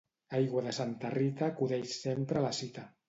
Aigua de Santa Rita acudeix sempre a la cita.